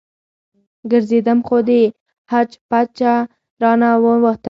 ګرځېدم خو د حج پچه رانه ووتله.